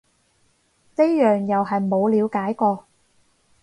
呢樣又係冇了解過